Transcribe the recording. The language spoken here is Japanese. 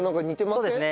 そうですね。